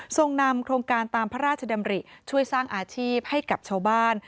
ส่งนำโครงการตามพระราชดำริช่วยสร้างอาชีพให้กับชาวบ้าน